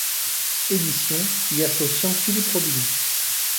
Éditions, y associant Philippe Robinet.